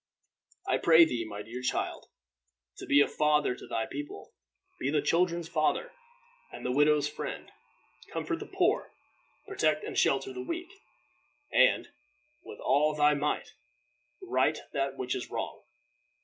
I pray thee, my dear child, to be a father to thy people. Be the children's father and the widow's friend. Comfort the poor, protect and shelter the weak, and, with all thy might, right that which is wrong.